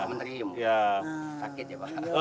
sakit ya pak